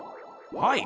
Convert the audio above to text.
はい。